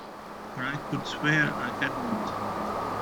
Or I could swear I hadn't.